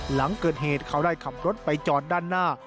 หลังเกิดเหตุเขาได้ขับรถไปจอดด้านหน้า